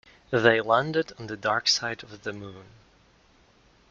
They landed on the dark side of the moon.